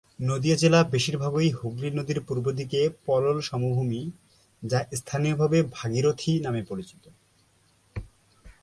নদিয়া জেলা বেশিরভাগই হুগলি নদীর পূর্বদিকে পলল সমভূমি, যা স্থানীয়ভাবে ভাগীরথী নামে পরিচিত।